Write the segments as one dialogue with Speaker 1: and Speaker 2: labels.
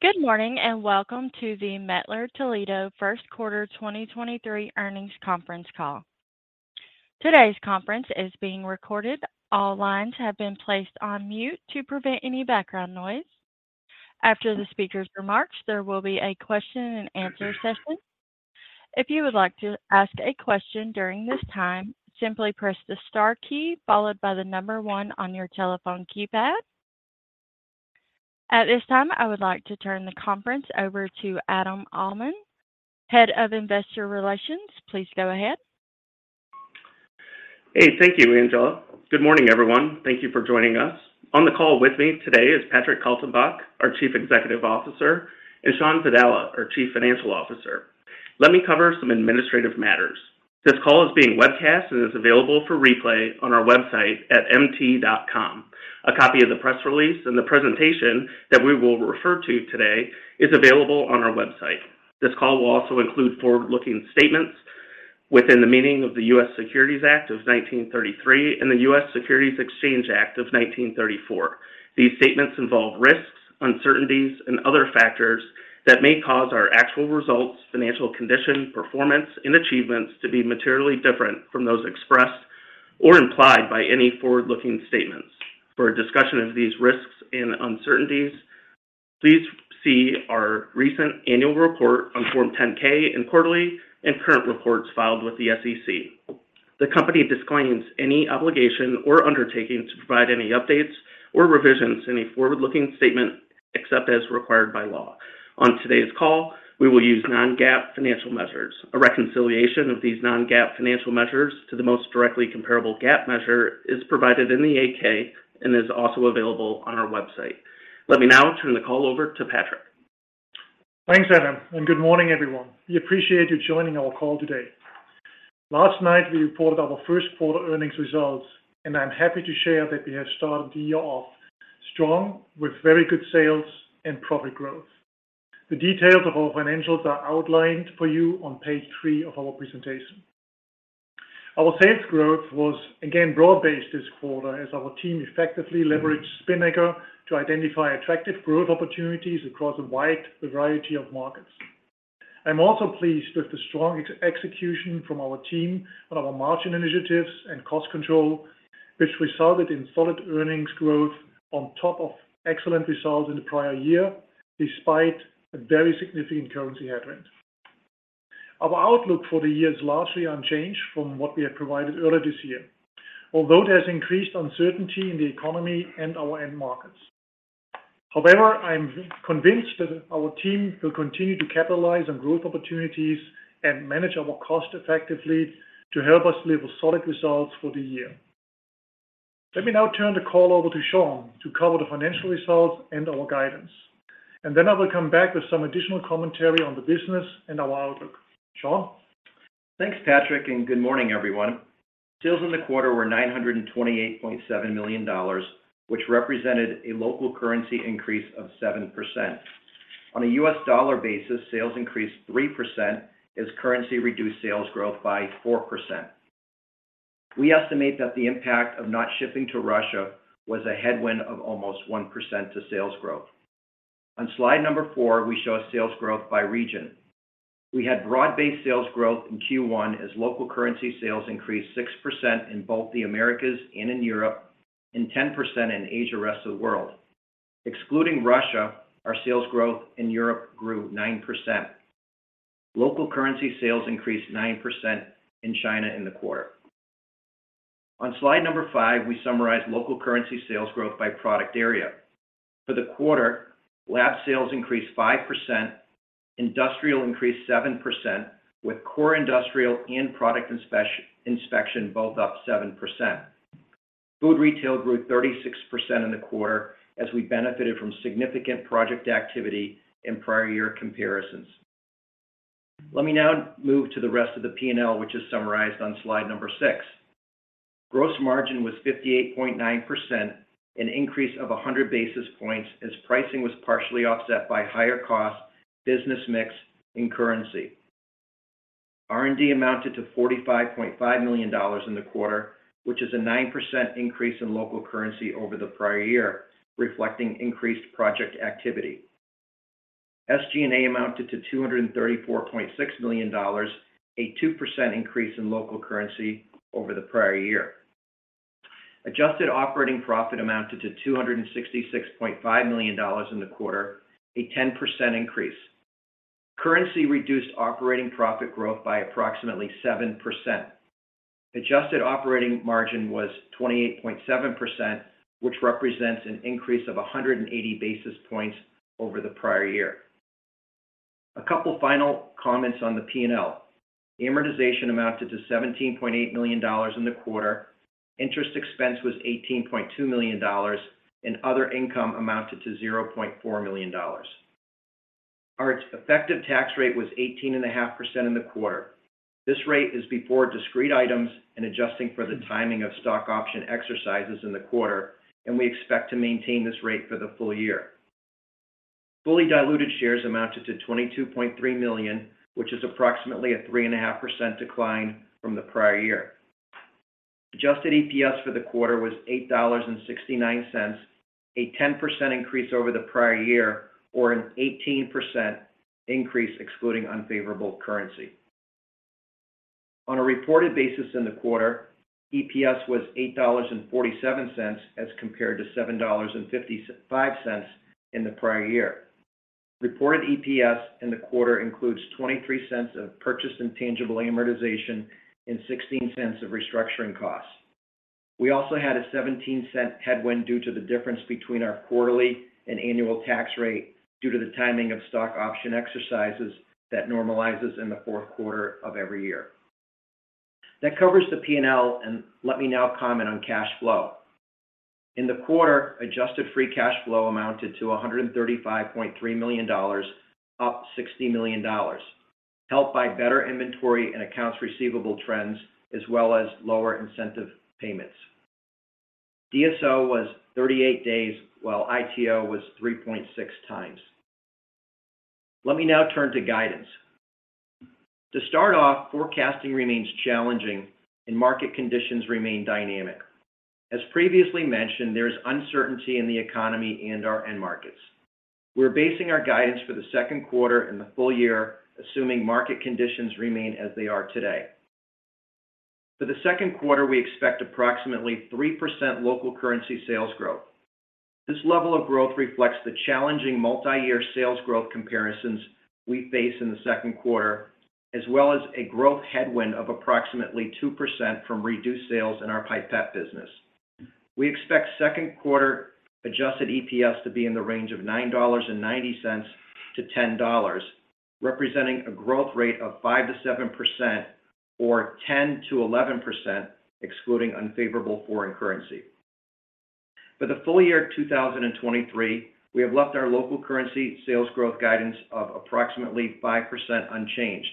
Speaker 1: Good morning, and welcome to the Mettler-Toledo First Quarter 2023 Earnings Conference Call. Today's conference is being recorded. All lines have been placed on mute to prevent any background noise. After the speaker's remarks, there will be a question and answer session. If you would like to ask a question during this time, simply press the star key followed by the one on your telephone keypad. At this time, I would like to turn the conference over to Adam Uhlman, Head of Investor Relations. Please go ahead.
Speaker 2: Hey. Thank you, Angela. Good morning, everyone. Thank you for joining us. On the call with me today is Patrick Kaltenbach, our Chief Executive Officer, and Shawn Vadala, our Chief Financial Officer. Let me cover some administrative matters. This call is being webcast and is available for replay on our website at mt.com. A copy of the press release and the presentation that we will refer to today is available on our website. This call will also include forward-looking statements within the meaning of the U.S. Securities Act of 1933 and the U.S. Securities Exchange Act of 1934. These statements involve risks, uncertainties, and other factors that may cause our actual results, financial condition, performance, and achievements to be materially different from those expr essed or implied by any forward-looking statements. For a discussion of these risks and uncertainties, please see our recent annual report on form 10-K and quarterly and current reports filed with the SEC. The company disclaims any obligation or undertaking to provide any updates or revisions in a forward-looking statement, except as required by law. On today's call, we will use non-GAAP financial measures. A reconciliation of these non-GAAP financial measures to the most directly comparable GAAP measure is provided in the 8-K and is also available on our website. Let me now turn the call over to Patrick.
Speaker 3: Thanks, Adam. Good morning, everyone. We appreciate you joining our call today. Last night, we reported our first quarter earnings results, and I'm happy to share that we have started the year off strong with very good sales and profit growth. The details of our financials are outlined for you on page three of our presentation. Our sales growth was again broad-based this quarter as our team effectively leveraged Spinnaker to identify attractive growth opportunities across a wide variety of markets. I'm also pleased with the strong execution from our team on our margin initiatives and cost control, which resulted in solid earnings growth on top of excellent results in the prior year, despite a very significant currency headwind. Our outlook for the year is largely unchanged from what we have provided earlier this year, although it has increased uncertainty in the economy and our end markets. I'm convinced that our team will continue to capitalize on growth opportunities and manage our cost effectively to help us deliver solid results for the year. Let me now turn the call over to Shawn to cover the financial results and our guidance, and then I will come back with some additional commentary on the business and our outlook. Shawn.
Speaker 4: Thanks, Patrick. Good morning, everyone. Sales in the quarter were $928.7 million, which represented a local currency increase of 7%. On a U.S. dollar basis, sales increased 3% as currency reduced sales growth by 4%. We estimate that the impact of not shipping to Russia was a headwind of almost 1% to sales growth. On slide slide, we show sales growth by region. We had broad-based sales growth in Q1 as local currency sales increased 6% in both the Americas and in Europe, and 10% in Asia, rest of the world. Excluding Russia, our sales growth in Europe grew 9%. Local currency sales increased 9% in China in the quarter. On slide five, we summarize local currency sales growth by product area. For the quarter, Lab sales increased 5%, Industrial increased 7%, with Core industrial and Product inspection both up 7%. Food retail grew 36% in the quarter as we benefited from significant project activity in prior-year comparisons. Let me now move to the rest of the P&L, which is summarized on slide number six. Gross margin was 58.9%, an increase of 100 basis points as pricing was partially offset by higher cost, business mix, and currency. R&D amounted to $45.5 million in the quarter, which is a 9% increase in local currency over the prior year, reflecting increased project activity. SG&A amounted to $234.6 million, a 2% increase in local currency over the prior year. Adjusted operating profit amounted to $266.5 million in the quarter, a 10% increase. Currency reduced operating profit growth by approximately 7%. Adjusted operating margin was 28.7%, which represents an increase of 180 basis points over the prior year. A couple final comments on the P&L. Amortization amounted to $17.8 million in the quarter. Interest expense was $18.2 million, and other income amounted to $0.4 million. Our effective tax rate was 18.5% in the quarter. This rate is before discrete items and adjusting for the timing of stock option exercises in the quarter, and we expect to maintain this rate for the full year. Fully diluted shares amounted to $22.3 million, which is approximately a 3.5% decline from the prior year. Adjusted EPS for the quarter was $8.69, a 10% increase over the prior year or an 18% increase excluding unfavorable currency. On a reported basis in the quarter, EPS was $8.47 as compared to $7.55 in the prior year. Reported EPS in the quarter includes $0.23 of purchased intangible amortization and $0.16 of restructuring costs. We also had a $0.17 headwind due to the difference between our quarterly and Annual Tax rate due to the timing of stock option exercises that normalizes in the fourth quarter of every year. That covers the P&L, let me now comment on cash flow. In the quarter, Adjusted free cash flow amounted to $135.3 million, up $60 million, helped by better inventory and accounts receivable trends as well as lower incentive payments. DSO was 38 days, while ITO was 3.6x. Let me now turn to guidance. To start off, forecasting remains challenging, and market conditions remain dynamic. As previously mentioned, there is uncertainty in the economy and our end markets. We're basing our guidance for the second quarter and the full year, assuming market conditions remain as they are today. For the second quarter, we expect approximately 3% local currency sales growth. This level of growth reflects the challenging multiyear sales growth comparisons we face in the second quarter, as well as a growth headwind of approximately 2% from reduced sales in our pipette business. We expect second quarter adjusted EPS to be in the range of $9.90 to $10, representing a growth rate of 5%-7% or 10%-11%, excluding unfavorable foreign currency. For the full year 2023, we have left our local currency sales growth guidance of approximately 5% unchanged.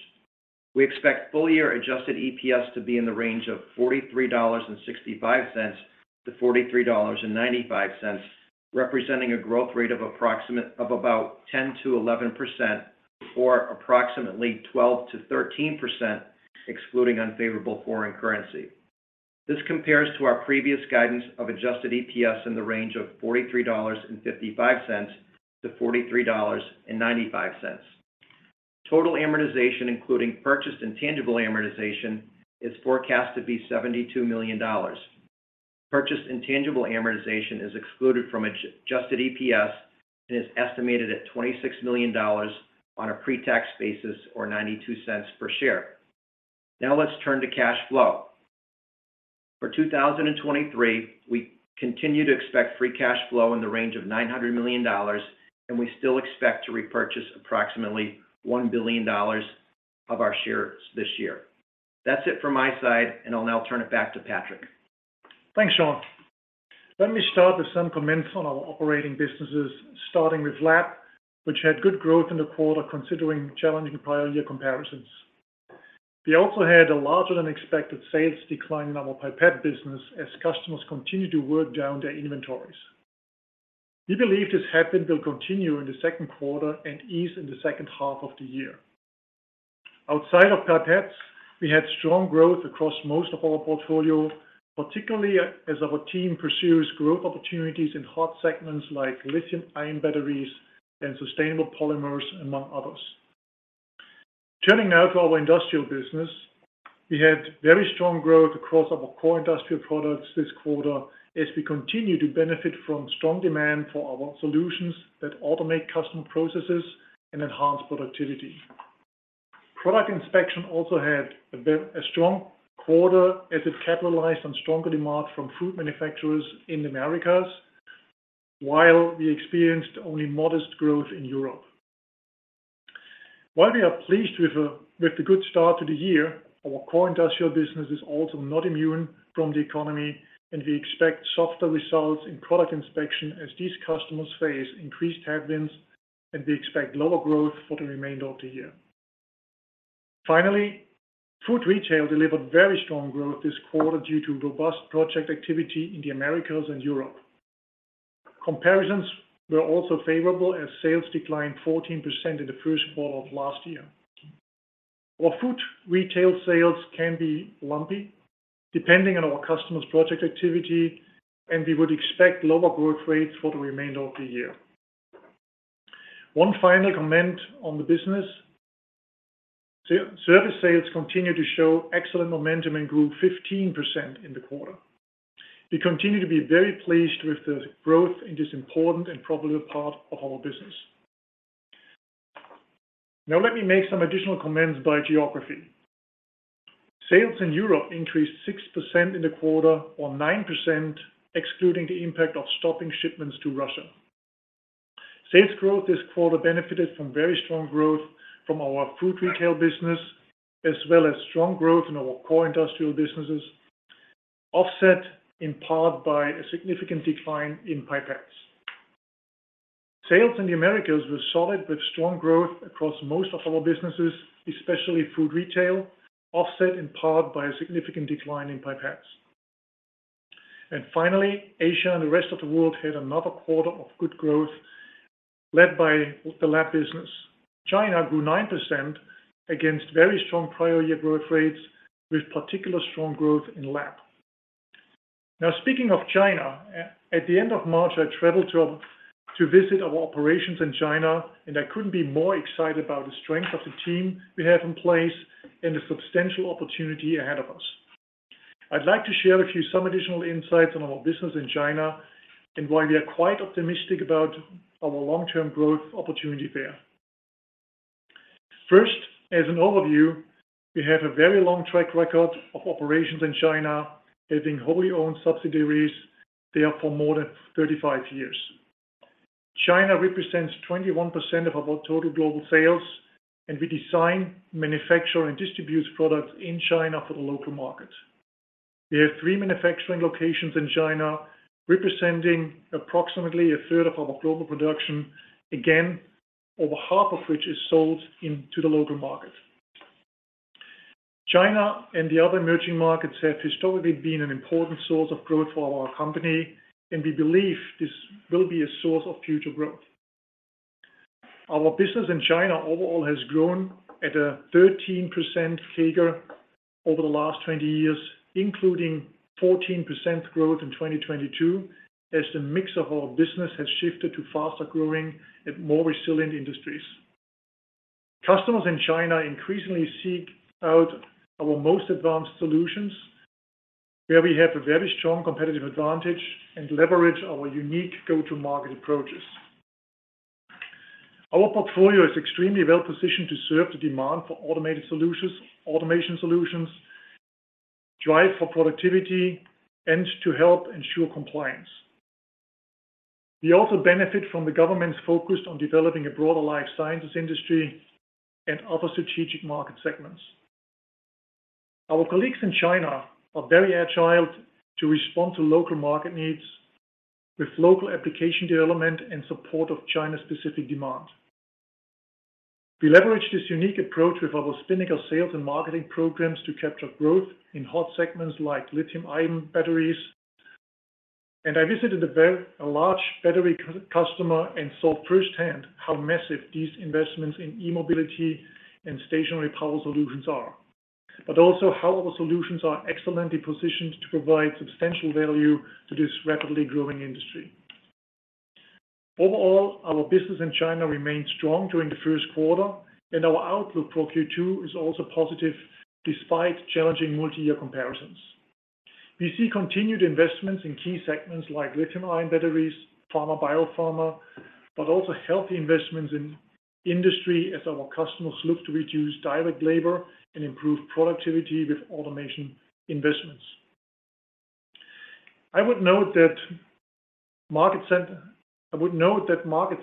Speaker 4: We expect full-year adjusted EPS to be in the range of $43.65 to $43.95, representing a growth rate of about 10%-11% or approximately 12%-13%, excluding unfavorable foreign currency. This compares to our previous guidance of adjusted EPS in the range of $43.55 to $43.95. Total amortization, including purchased intangible amortization, is forecast to be $72 million. Purchased intangible amortization is excluded from Adjusted EPS and is estimated at $26 million on a pre-tax basis or $0.92 per share. Let's turn to cash flow. For 2023, we continue to expect free cash flow in the range of $900 million, and we still expect to repurchase approximately $1 billion of our shares this year. That's it for my side, and I'll now turn it back to Patrick.
Speaker 3: Thanks, Shawn. Let me start with some comments on our operating businesses, starting with lab, which had good growth in the quarter considering challenging prior year comparisons. We also had a larger-than-expected sales decline in our pipette business as customers continue to work down their inventories. We believe this headwind will continue in the second quarter and ease in the second half of the year. Outside of pipettes, we had strong growth across most of our portfolio, particularly as our team pursues growth opportunities in hot segments like lithium-ion batteries and sustainable polymers, among others. Turning now to our industrial business. We had very strong growth across our core industrial products this quarter as we continue to benefit from strong demand for our solutions that automate custom processes and enhance productivity. Product inspection also had a strong quarter as it capitalized on stronger demand from food manufacturers in the Americas, while we experienced only modest growth in Europe. While we are pleased with the good start to the year, our core industrial business is also not immune from the economy. We expect softer results in product inspection as these customers face increased headwinds, and we expect lower growth for the remainder of the year. Finally, food retail delivered very strong growth this quarter due to robust project activity in the Americas and Europe. Comparisons were also favorable as sales declined 14% in the first quarter of last year. Our food retail sales can be lumpy depending on our customers' project activity, and we would expect lower growth rates for the remainder of the year. One final comment on the business. Service sales continue to show excellent momentum and grew 15% in the quarter. We continue to be very pleased with the growth in this important and profitable part of our business. Now let me make some additional comments by geography. Sales in Europe increased 6% in the quarter, or 9%, excluding the impact of stopping shipments to Russia. Sales growth this quarter benefited from very strong growth from our food retail business, as well as strong growth in our core industrial businesses, offset in part by a significant decline in pipettes. Sales in the Americas were solid with strong growth across most of our businesses, especially food retail, offset in part by a significant decline in pipettes. Finally, Asia and the rest of the world had another quarter of good growth, led by the lab business. China grew 9% against very strong prior year growth rates, with particular strong growth in lab. Speaking of China, at the end of March, I traveled to visit our operations in China, and I couldn't be more excited about the strength of the team we have in place and the substantial opportunity ahead of us. I'd like to share with you some additional insights on our business in China and why we are quite optimistic about our long-term growth opportunity there. First, as an overview, we have a very long track record of operations in China, having wholly owned subsidiaries there for more than 35 years. China represents 21% of our total global sales, and we design, manufacture, and distribute products in China for the local market. We have three manufacturing locations in China, representing approximately 1/3 of our global production, again, over half of which is sold into the local market. China and the other emerging markets have historically been an important source of growth for our company, and we believe this will be a source of future growth. Our business in China overall has grown at a 13% CAGR over the last 20 years, including 14% growth in 2022, as the mix of our business has shifted to faster-growing and more resilient industries. Customers in China increasingly seek out our most advanced solutions, where we have a very strong competitive advantage and leverage our unique go-to-market approaches. Our portfolio is extremely well-positioned to serve the demand for automated solutions, automation solutions, drive for productivity, and to help ensure compliance. We also benefit from the government's focus on developing a broader life sciences industry and other strategic market segments. Our colleagues in China are very agile to respond to local market needs with local application development in support of China's specific demand. We leverage this unique approach with our Spinnaker sales and marketing programs to capture growth in hot segments like lithium-ion batteries. I visited a very large battery customer and saw firsthand how massive these investments in e-mobility and stationary power solutions are, but also how our solutions are excellently positioned to provide substantial value to this rapidly growing industry. Overall, our business in China remained strong during the first quarter, and our outlook for Q2 is also positive despite challenging multi-year comparisons. We see continued investments in key segments likeLithium-ion batteries, Pharma, Biopharma, but also healthy investments in industry as our customers look to reduce direct labor and improve productivity with Automation Investments. I would note that market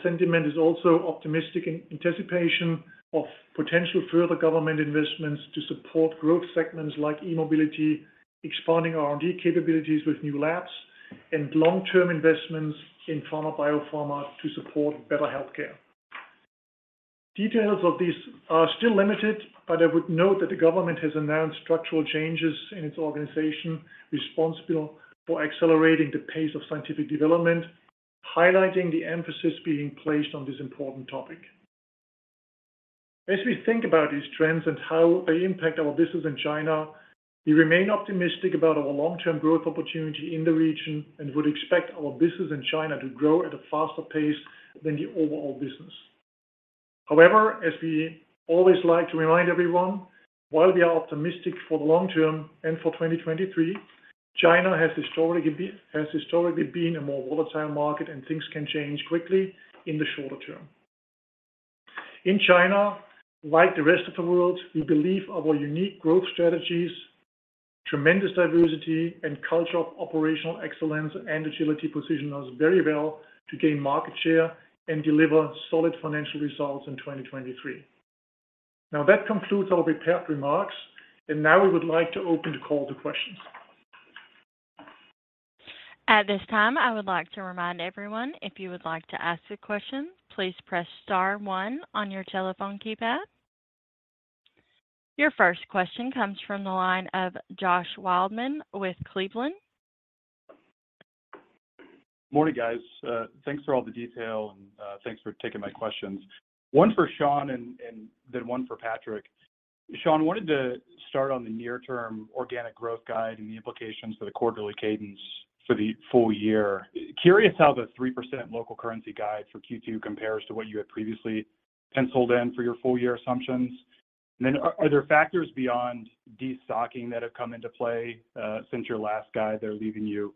Speaker 3: sentiment is also optimistic in anticipation of potential further government investments to support growth segments like e-mobility, expanding R&D capabilities with new labs, and long-term investments in Pharma, Biopharma to support better healthcare. Details of these are still limited, but I would note that the government has announced structural changes in its organization responsible for accelerating the pace of scientific development, highlighting the emphasis being placed on this important topic. As we think about these trends and how they impact our business in China, we remain optimistic about our long-term growth opportunity in the region and would expect our business in China to grow at a faster pace than the overall business. As we always like to remind everyone, while we are optimistic for the long term and for 2023, China has historically been a more volatile market and things can change quickly in the shorter term. In China, like the rest of the world, we believe our unique growth strategies, tremendous diversity, and culture of operational excellence and agility position us very well to gain market share and deliver solid financial results in 2023. That concludes our prepared remarks. Now we would like to open the call to questions.
Speaker 1: At this time, I would like to remind everyone, if you would like to ask a question, please press star one on your telephone keypad. Your first question comes from the line of Josh Waldman with Cleveland.
Speaker 5: Morning, guys. Thanks for all the detail and thanks for taking my questions. One for Shawn and then one for Patrick. Shawn, I wanted to start on the near term organic growth guide and the implications for the quarterly cadence for the full year. Curious how the 3% local currency guide for Q2 compares to what you had previously penciled in for your full year assumptions. Are there factors beyond destocking that have come into play since your last guide that are leaving you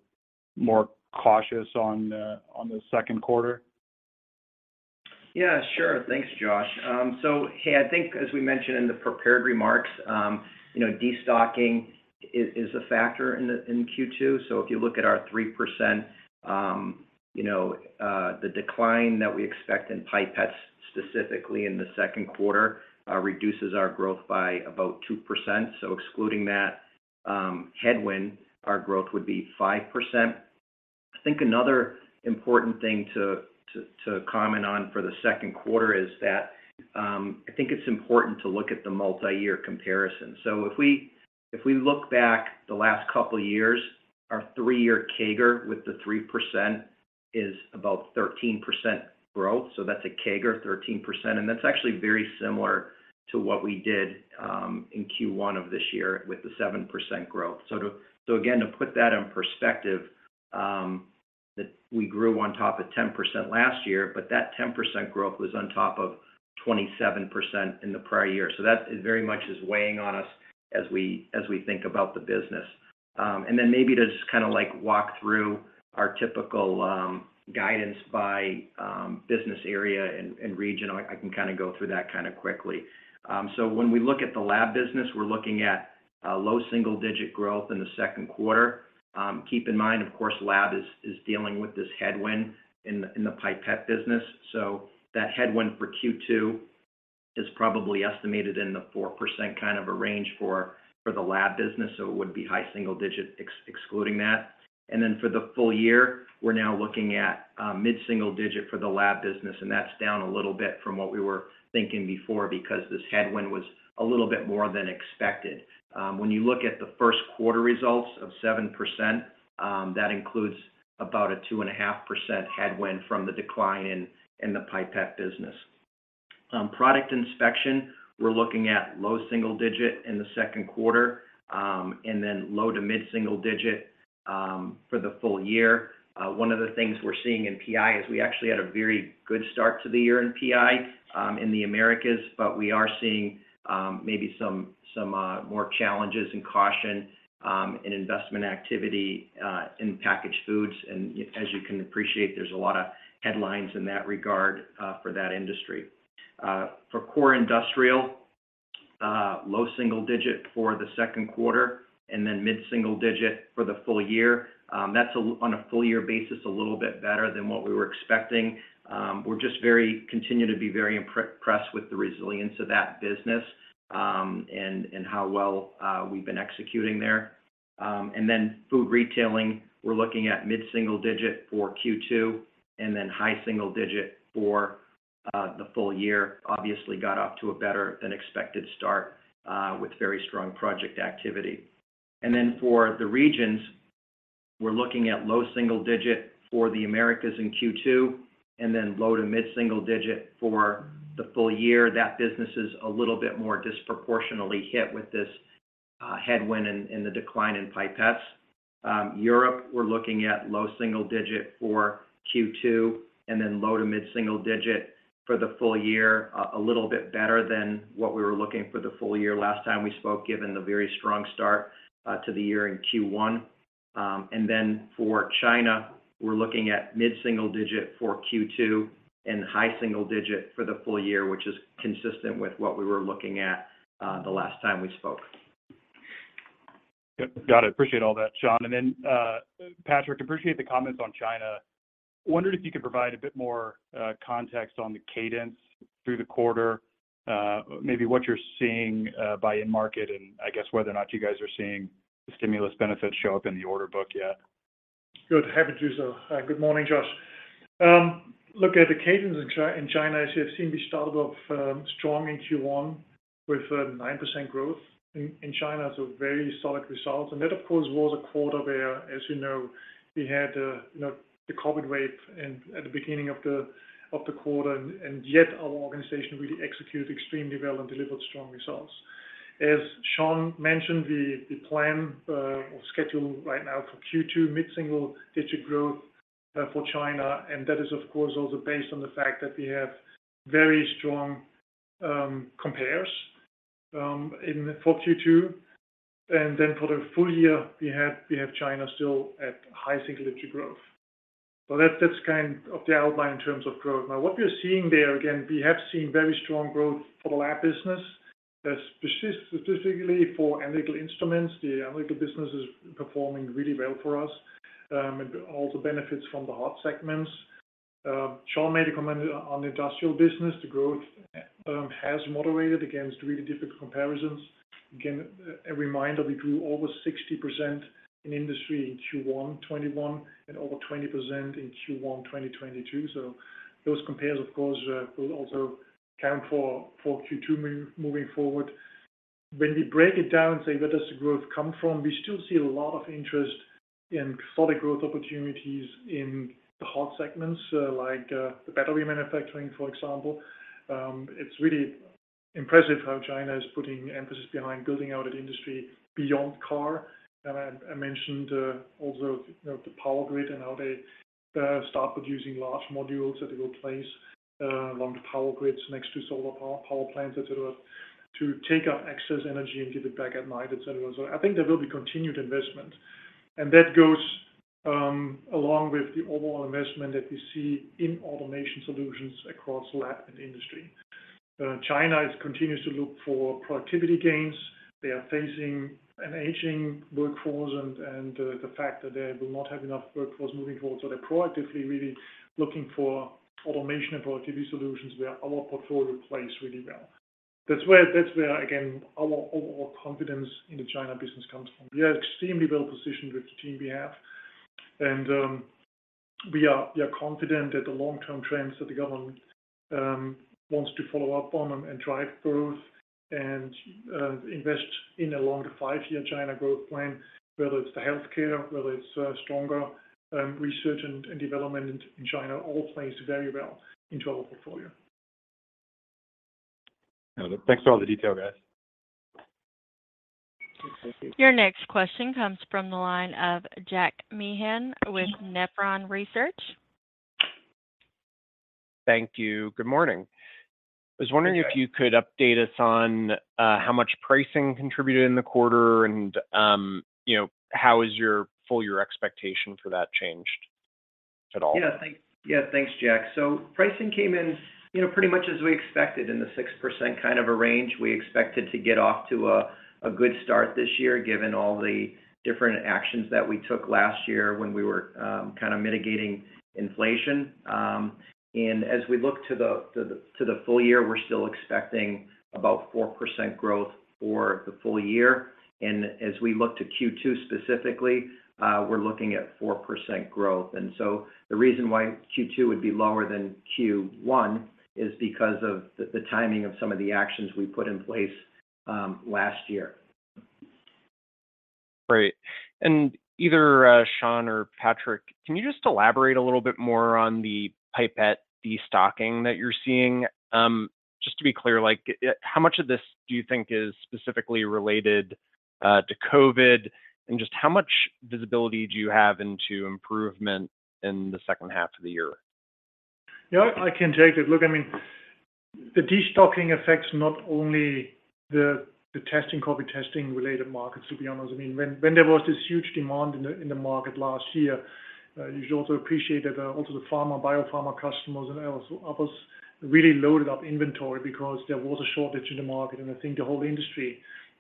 Speaker 5: more cautious on the second quarter?
Speaker 4: Yeah, sure. Thanks, Josh. Hey, I think as we mentioned in the prepared remarks, you know, destocking is a factor in Q2. If you look at our 3%, you know, the decline that we expect in pipettes, specifically in the second quarter, reduces our growth by about 2%. Excluding that, headwind, our growth would be 5%. I think another important thing to comment on for the second quarter is that, I think it's important to look at the multi-year comparison. If we, if we look back the last couple years, our three-year CAGR with the 3% is about 13% growth. That's a CAGR 13%, and that's actually very similar to what we did in Q1 of this year with the 7% growth. Again, to put that in perspective, that we grew on top of 10% last year, but that 10% growth was on top of 27% in the prior year. That is very much is weighing on us as we, as we think about the business. Then maybe to just kinda like walk through our typical guidance by business area and region, I can kinda go through that kinda quickly. When we look at the lab business, we're looking at a low single-digit growth in the second quarter. Keep in mind, of course, lab is dealing with this headwind in the pipette business. That headwind for Q2 is probably estimated in the 4% kind of a range for the lab business, so it would be high single-digit excluding that. Then for the full year, we're now looking at mid-single-digit for the lab business, and that's down a little bit from what we were thinking before because this headwind was a little bit more than expected. When you look at the first quarter results of 7%, that includes about a 2.5% headwind from the decline in the pipette business. Product Inspection, we're looking at low single digit in the second quarter, and then low to mid-single digit for the full year. One of the things we're seeing in PI is we actually had a very good start to the year in PI, in the Americas, but we are seeing maybe some more challenges and caution in investment activity in packaged foods. As you can appreciate, there's a lot of headlines in that regard for that industry. For core industrial, low single digit for the second quarter, and then mid-single digit for the full year. That's on a full year basis, a little bit better than what we were expecting. We're just continue to be very impressed with the resilience of that business, and how well we've been executing there. Food retailing, we're looking at mid-single digit for Q2, and then high single digit for the full year. Obviously got off to a better than expected start with very strong project activity. For the regions, we're looking at low single digit for the Americas in Q2, and then low to mid-single digit for the full year. That business is a little bit more disproportionately hit with this headwind in the decline in pipettes. Europe, we're looking at low single digit for Q2, and then low to mid-single digit for the full year. A little bit better than what we were looking for the full year last time we spoke, given the very strong start to the year in Q1. Then for China, we're looking at mid-single digit for Q2 and high single digit for the full year, which is consistent with what we were looking at the last time we spoke.
Speaker 5: Got it. Appreciate all that, Shawn. Patrick, appreciate the comments on China. Wondered if you could provide a bit more context on the cadence through the quarter, maybe what you're seeing by end market, and I guess whether or not you guys are seeing the stimulus benefits show up in the order book yet.
Speaker 3: Good. Happy to do so. Good morning, Josh. Look at the cadence in China. As you have seen, we started off strong in Q1 with 9% growth in China. Very solid results. That, of course, was a quarter where, as you know, we had, you know, the COVID wave at the beginning of the quarter. Yet our organization really executed extremely well and delivered strong results. As Shawn mentioned, the plan or schedule right now for Q2, mid-single digit growth for China. That is, of course, also based on the fact that we have very strong compares for Q2. For the full year, we have China still at high single digit growth. That's kind of the outline in terms of growth. What we're seeing there, again, we have seen very strong growth for the lab business. That's specifically for analytical instruments. The analytical business is performing really well for us, and also benefits from the hot segments. Shawn made a comment on the industrial business. The growth has moderated against really difficult comparisons. Again, a reminder, we grew over 60% in industry in Q1 2021 and over 20% in Q1 2022. Those compares, of course, will also count for Q2 moving forward. When we break it down and say, where does the growth come from, we still see a lot of interest in solid growth opportunities in the hot segments, like the battery manufacturing, for example. It's really impressive how China is putting emphasis behind building out an industry beyond car. I mentioned, also, you know, the power grid and how they start producing large modules that they will place along the power grids next to solar power plants, et cetera, to take up excess energy and give it back at night, et cetera. I think there will be continued investment. That goes along with the overall investment that we see in automation solutions across lab and industry. China is continuous to look for productivity gains. They are facing an aging workforce and the fact that they will not have enough workforce moving forward. They're proactively really looking for automation and productivity solutions where our portfolio plays really well. That's where, again, our overall confidence in the China business comes from. We are extremely well-positioned with the team we have, and we are confident that the long-term trends that the government wants to follow up on and drive growth and invest in a longer five-year China growth plan, whether it's the healthcare, whether it's stronger research and development in China all plays very well into our portfolio.
Speaker 4: Got it. Thanks for all the detail, guys.
Speaker 1: Your next question comes from the line of Jack Meehan with Nephron Research.
Speaker 6: Thank you. Good morning.
Speaker 4: Good day.
Speaker 6: I was wondering if you could update us on how much pricing contributed in the quarter and, you know, how has your full year expectation for that changed at all?
Speaker 4: Yeah, thanks, Jack. Pricing came in, you know, pretty much as we expected in the 6% kind of a range. We expected to get off to a good start this year given all the different actions that we took last year when we were kind of mitigating inflation. As we look to the full year, we're still expecting about 4% growth for the full year. As we look to Q2 specifically, we're looking at 4% growth. The reason why Q2 would be lower than Q1 is because of the timing of some of the actions we put in place last year.
Speaker 6: Great. either, Shawn or Patrick, can you just elaborate a little bit more on the pipette destocking that you're seeing? just to be clear, like, how much of this do you think is specifically related to COVID? just how much visibility do you have into improvement in the second half of the year?
Speaker 3: Yeah, I can take it. Look, I mean, the destocking affects not only the testing, COVID testing related markets, to be honest. I mean, when there was this huge demand in the market last year, you should also appreciate that also the pharma, biopharma customers and others really loaded up inventory because there was a shortage in the market. I think the whole industry,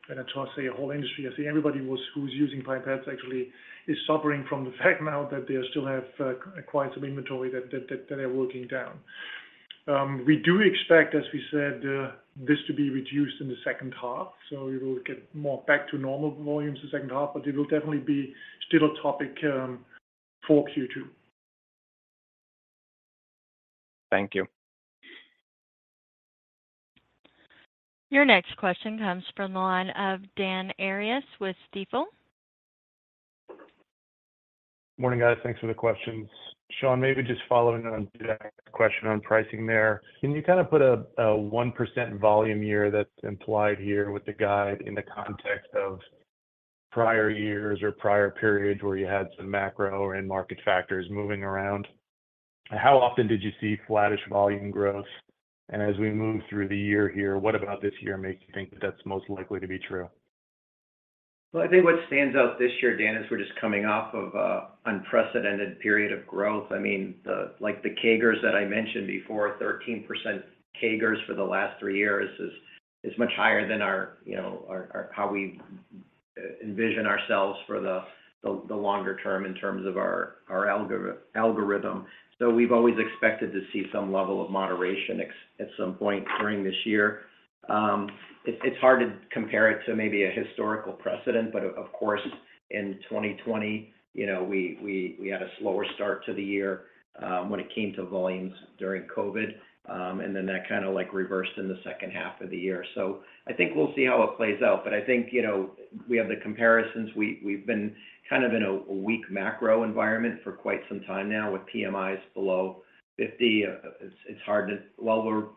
Speaker 3: and when I say a whole industry, I say everybody who's using pipettes actually is suffering from the fact now that they still have quite some inventory that they're working down. We do expect, as we said, this to be reduced in the second half, so we will get more back to normal volumes the second half, but it will definitely be still a topic for Q2.
Speaker 6: Thank you.
Speaker 1: Your next question comes from the line of Dan Arias with Stifel.
Speaker 7: Morning, guys. Thanks for the questions. Shawn, maybe just following on Jack's question on pricing there. Can you kind of put a 1% volume year that's implied here with the guide in the context of prior years or prior periods where you had some macro and market factors moving around? How often did you see flattish volume growth? As we move through the year here, what about this year makes you think that that's most likely to be true?
Speaker 4: Well, I think what stands out this year, Dan, is we're just coming off of a unprecedented period of growth. I mean, the, like, the CAGRs that I mentioned before, 13% CAGRs for the last three years is much higher than our, you know, our how we envision ourselves for the longer term in terms of our algorithm. We've always expected to see some level of moderation at some point during this year. It's hard to compare it to maybe a historical precedent, but of course, in 2020, you know, we had a slower start to the year when it came to volumes during COVID. That kind of, like, reversed in the second half of the year. I think we'll see how it plays out. I think, you know, we have the comparisons. We've been kind of in a weak macro environment for quite some time now with PMIs below 50. It's hard to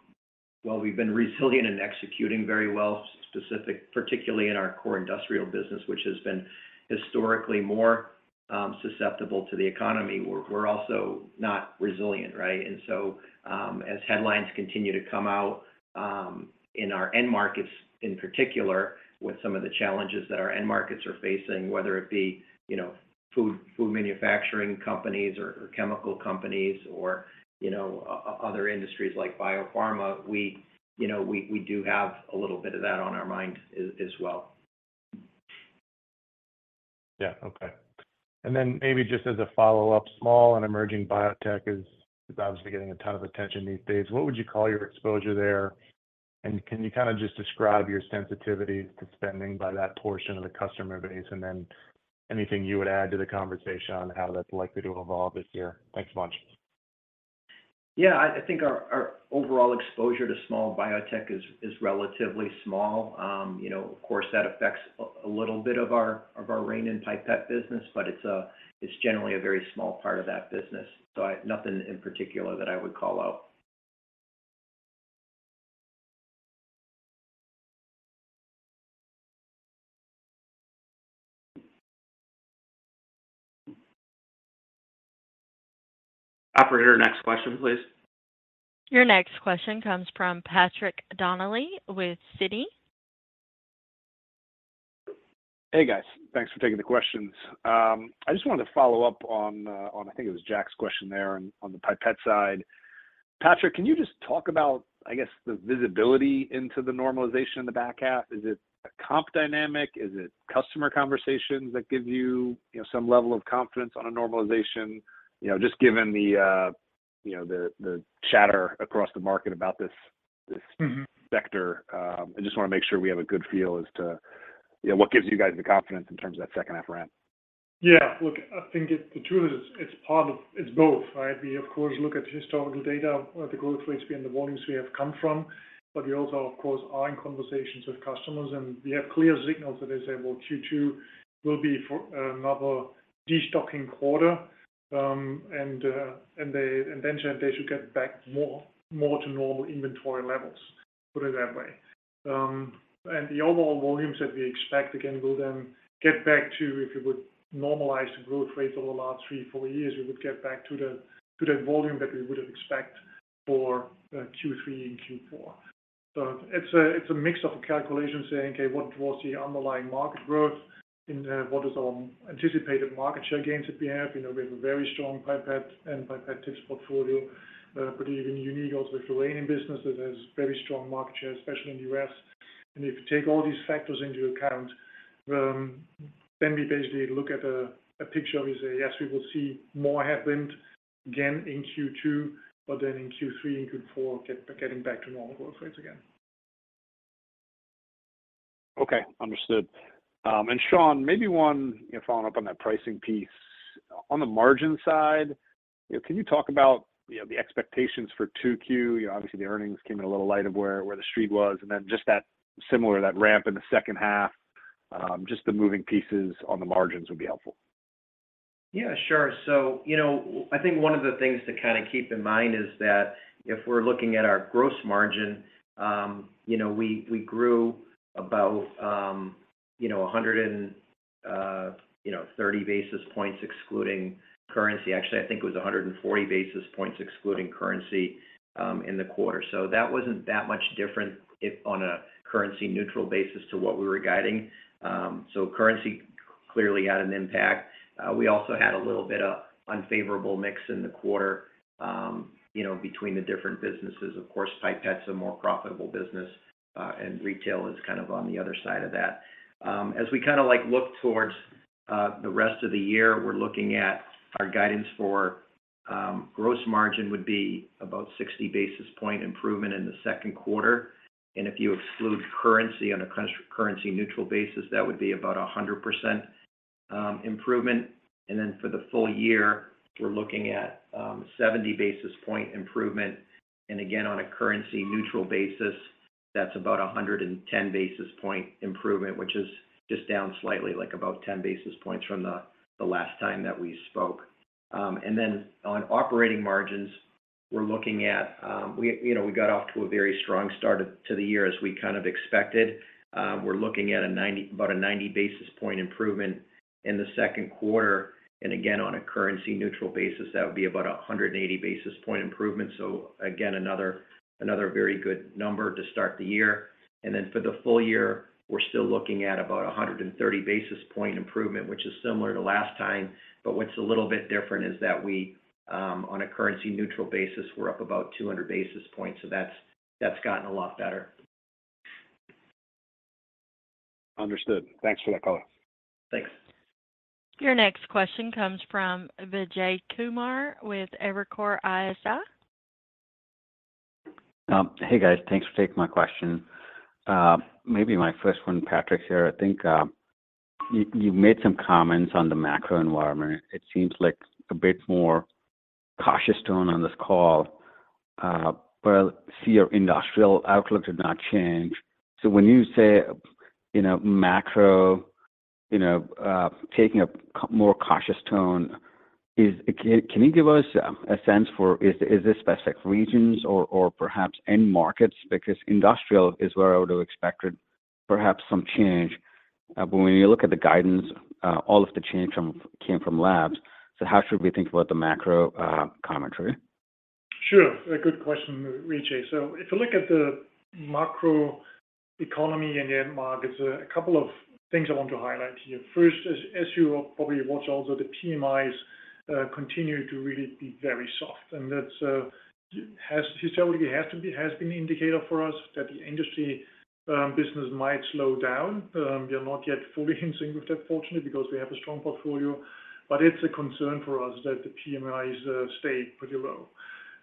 Speaker 4: while we've been resilient in executing very well specific, particularly in our core industrial business, which has been historically more susceptible to the economy, we're also not resilient, right? As headlines continue to come out, in our end markets in particular with some of the challenges that our end markets are facing, whether it be, you know, food manufacturing companies or chemical companies or, you know, other industries like biopharma, we, you know, we do have a little bit of that on our mind as well.
Speaker 7: Yeah. Okay. Maybe just as a follow-up, small and emerging Biotech is obviously getting a ton of attention these days. What would you call your exposure there? Can you kind of just describe your sensitivity to spending by that portion of the customer base? Then anything you would add to the conversation on how that's likely to evolve this year? Thanks a bunch.
Speaker 4: Yeah. I think our overall exposure to small biotech is relatively small. You know, of course, that affects a little bit of our Rainin pipette business, but it's generally a very small part of that business. I have nothing in particular that I would call out. Operator, next question, please.
Speaker 1: Your next question comes from Patrick Donnelly with Citi.
Speaker 8: Hey, guys. Thanks for taking the questions. I just wanted to follow up on, I think it was Jack's question there on the pipette side. Patrick, can you just talk about, I guess, the visibility into the normalization in the back half? Is it a comp dynamic? Is it customer conversations that give you know, some level of confidence on a normalization? You know, just given the-You know, the chatter across the market about this-
Speaker 3: Mm-hmm
Speaker 8: -sector. I just wanna make sure we have a good feel as to, you know, what gives you guys the confidence in terms of that second half ramp?
Speaker 3: Look, I think the truth is it's part of... It's both, right? We, of course, look at historical data, the growth rates being the volumes we have come from, but we also, of course, are in conversations with customers, and we have clear signals that they say, well, Q2 will be for another destocking quarter. And then they should get back more to normal inventory levels, put it that way. The overall volumes that we expect, again, will then get back to, if you would normalize the growth rates over the last three, four years, we would get back to the volume that we would expect for Q3 and Q4. It's a, it's a mix of calculations saying, okay, what was the underlying market growth and what is our anticipated market share gains that we have? You know, we have a very strong pipette and pipette tips portfolio, but even unique also with Rainin business that has very strong market share, especially in the U.S. If you take all these factors into account, then we basically look at a picture and we say, yes, we will see more headwind again in Q2, but then in Q3 and Q4 getting back to normal growth rates again.
Speaker 8: Okay. Understood. Shawn, maybe one, you know, following up on that pricing piece. On the margin side, you know, can you talk about, you know, the expectations for 2Q? You know, obviously the earnings came in a little light of where the Street was, and then just that similar, that ramp in the second half, just the moving pieces on the margins would be helpful.
Speaker 4: Yeah, sure. You know, I think one of the things to kinda keep in mind is that if we're looking at our gross margin, you know, we grew about 130 basis points excluding currency. Actually, I think it was 140 basis points excluding currency in the quarter. That wasn't that much different if on a currency neutral basis to what we were guiding. currency clearly had an impact. We also had a little bit of unfavorable mix in the quarter between the different businesses. Of course, Pipette's a more profitable business, and retail is kind of on the other side of that. As we kinda like look towards the rest of the year, we're looking at our guidance for gross margin would be about 60 basis point improvement in the second quarter. If you exclude currency on a currency neutral basis, that would be about 100% improvement. Then for the full year, we're looking at 70 basis point improvement. Again, on a currency neutral basis, that's about 110 basis point improvement, which is just down slightly, like about 10 basis points from the last time that we spoke. Then on operating margins, we're looking at, you know, we got off to a very strong start to the year as we kind of expected. We're looking at about a 90 basis point improvement in the second quarter. Again, on a currency neutral basis, that would be about 180 basis point improvement. Again, another very good number to start the year. Then for the full year, we're still looking at about 130 basis point improvement, which is similar to last time. What's a little bit different is that we, on a currency neutral basis, we're up about 200 basis points. That's gotten a lot better.
Speaker 8: Understood. Thanks for that color.
Speaker 4: Thanks.
Speaker 1: Your next question comes from Vijay Kumar with Evercore ISI.
Speaker 9: Hey, guys. Thanks for taking my question. Maybe my first one, Patrick, here. I think, you made some comments on the macro environment. It seems like a bit more cautious tone on this call, but I see your industrial outlook did not change. When you say, you know, macro, you know, taking a more cautious tone, can you give us a sense for is this specific regions or perhaps end markets? Because industrial is where I would have expected perhaps some change. But when you look at the guidance, all of the change came from labs. How should we think about the macro commentary?
Speaker 3: Sure. A good question, Vijay. If you look at the macro economy and the end markets, a couple of things I want to highlight here. First, as you probably watch also, the PMIs continue to really be very soft. That's historically has been indicator for us that the industry business might slow down. We are not yet fully in sync with that, fortunately, because we have a strong portfolio, but it's a concern for us that the PMIs stay pretty low.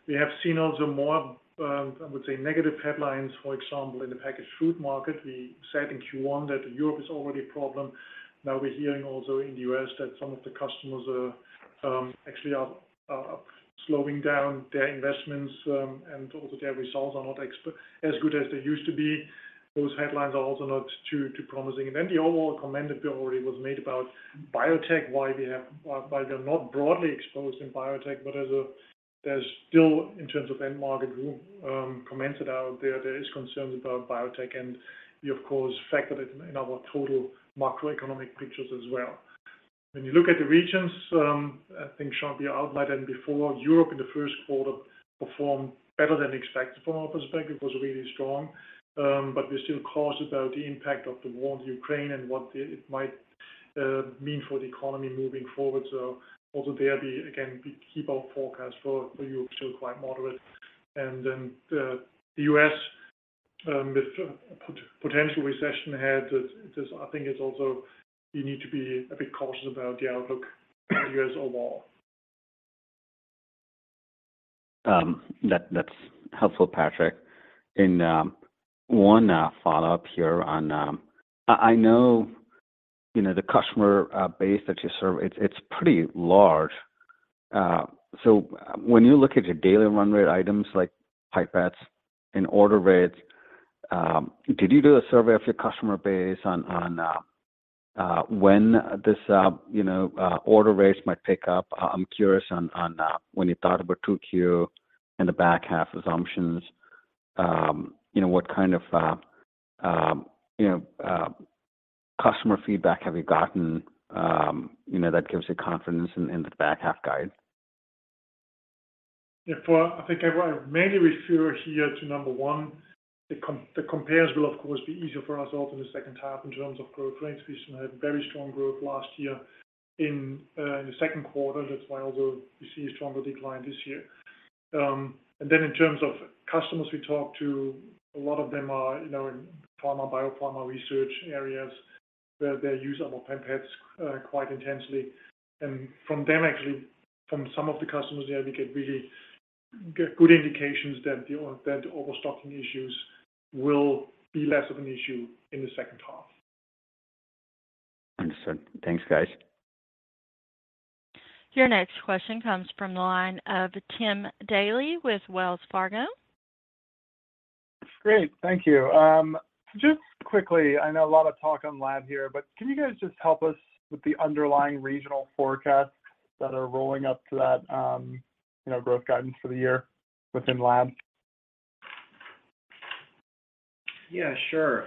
Speaker 3: We have seen also more, I would say, negative headlines, for example, in the packaged food market. We said in Q1 that Europe is already a problem. We're hearing also in the U.S. that some of the customers are actually slowing down their investments, and also their results are not as good as they used to be. Those headlines are also not too promising. The overall comment that Bill already was made about biotech, why they're not broadly exposed in biotech, but there's still, in terms of end market group, commented out there is concerns about biotech, and we of course factor it in our total macroeconomic pictures as well. You look at the regions, I think Sean, you outlined them before. Europe in the first quarter performed better than expected from our perspective. It was really strong. We're still cautious about the impact of the war in Ukraine and what it might mean for the economy moving forward. Also there be, again, we keep our forecast for Europe still quite moderate. The U.S., with potential recession ahead, it is, I think it's also, you need to be a bit cautious about the outlook for the U.S. overall.
Speaker 9: That's helpful, Patrick. I know, you know, the customer base that you serve, it's pretty large. When you look at your daily run rate items like pipettes and order rates, did you do a survey of your customer base on when this, you know, order rates might pick up? I'm curious on when you thought about 2Q and the back half assumptions, you know, what kind of customer feedback have you gotten, you know, that gives you confidence in the back half guide?
Speaker 3: I mainly refer here to number one, the compares will of course be easier for us also in the second half in terms of growth rates. We had very strong growth last year in the second quarter. That's why also we see a stronger decline this year. In terms of customers we talk to, a lot of them are, you know, in pharma, biopharma research areas where they use our pipettes quite intensely. From them actually, from some of the customers, we get really good indications that overstocking issues will be less of an issue in the second half.
Speaker 9: Understood. Thanks, guys.
Speaker 1: Your next question comes from the line of Tim Daly with Wells Fargo.
Speaker 10: Great. Thank you. Just quickly, I know a lot of talk on lab here, but can you guys just help us with the underlying regional forecasts that are rolling up to that, you know, growth guidance for the year within lab?
Speaker 4: Yeah, sure.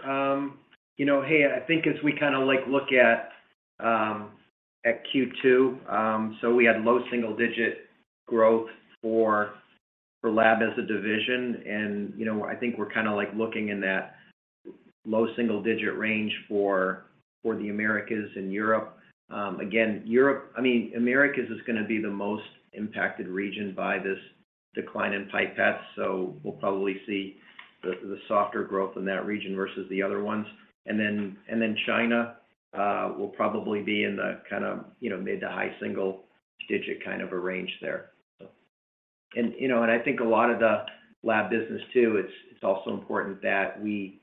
Speaker 4: You know, hey, I think as we kinda like look at Q2, we had low single digit growth for lab as a division. You know, I think we're kinda like looking in that low single digit range for the Americas and Europe. Again, I mean, Americas is gonna be the most impacted region by this decline in pipettes, so we'll probably see the softer growth in that region versus the other ones. Then, China will probably be in the kind of, you know, mid to high single digit kind of a range there. You know, I think a lot of the lab business too, it's also important that we...